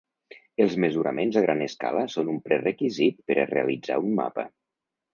Els mesuraments a gran escala són un prerequisit per a realitzar un mapa.